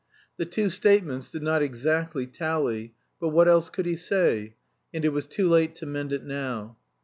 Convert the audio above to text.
The two statements did not exactly tally; but what else could he say? And it was too late to mend it now.